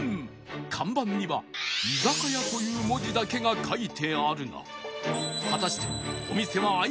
看板には居酒屋という文字だけが書いてあるが果たして